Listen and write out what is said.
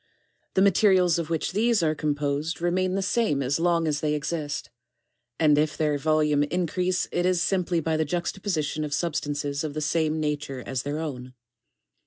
The materials of which these are composed remain the same as long as they exist, and if their volume increase it is simply by the juxta position of substances of the same nature as their own.